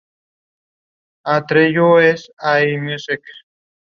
He missed time during the year with an oblique injury.